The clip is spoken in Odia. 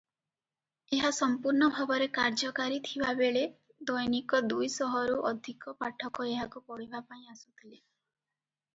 ଏହା ସମ୍ପୂର୍ଣ୍ଣ ଭାବରେ କାର୍ଯ୍ୟକାରୀ ଥିବା ବେଳେ ଦୈନିକ ଦୁଇ ଶହରୁ ଅଧିକ ପାଠକ ଏଠାକୁ ପଢ଼ିବା ପାଇଁ ଆସୁଥିଲେ ।